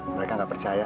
mereka nggak percaya